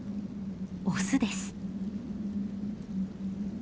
オスです。